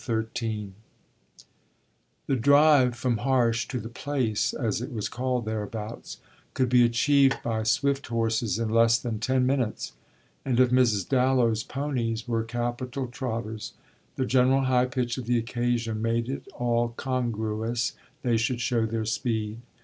BOOK THIRD XIII The drive from Harsh to the Place, as it was called thereabouts, could be achieved by swift horses in less than ten minutes; and if Mrs. Dallow's ponies were capital trotters the general high pitch of the occasion made it all congruous they should show their speed.